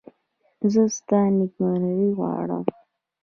زه ستا نېکمرغي غواړم.